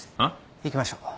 行きましょう。